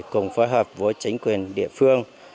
cùng phối hợp với chính quyền địa phương